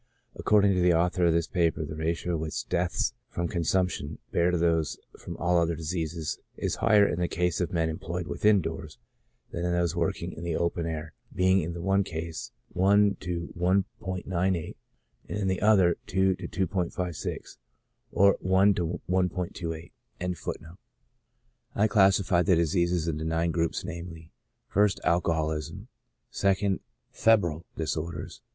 According to the author of this paper, the ratio which deaths from consumption bear to those from all other diseases is higher in the case of men employed within doors than in those working in the open air, being in the one case i to 1*98, and in the other 1 to 2 56, (or I to I'aS.) AS PREDISPOSING TO DISEASE. 1 53 I classified the diseases into nine groups, namely : 1st. Alcoholism. 2d. Febrile disorders.